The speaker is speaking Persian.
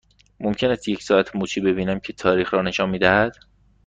ممکن است یک ساعت مچی ببینم که تاریخ را نشان می دهد؟